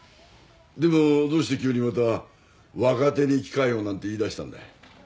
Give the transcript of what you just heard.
でもどうして急にまた若手に機会をなんて言いだしたんだい？